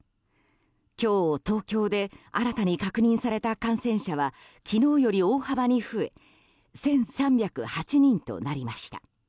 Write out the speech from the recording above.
今日、東京で新たに確認された感染者は昨日より大幅に増え１３０８人となりました。